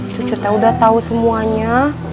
cucu teh udah tau semuanya